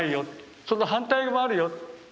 その反対もあるよ。